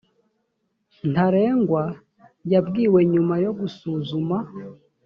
ntarengwa yabwiwe nyuma yo gusuzuma